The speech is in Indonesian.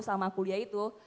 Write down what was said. sama kuliah itu